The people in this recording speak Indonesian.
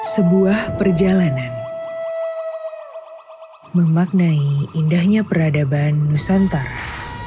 sebuah perjalanan memaknai indahnya peradaban nusantara